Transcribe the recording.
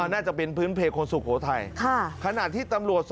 น่าจะเป็นพื้นเพลคคนสุโขทาย